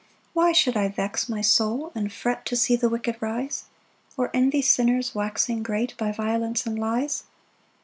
1 Why should I vex my soul and fret To see the wicked rise? Or envy sinners waxing great, By violence and lies.